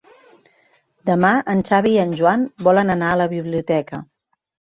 Demà en Xavi i en Joan volen anar a la biblioteca.